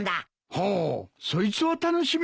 ほうそいつは楽しみだな。